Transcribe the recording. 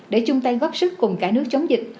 để chúng ta góp sức cùng cả nước chống dịch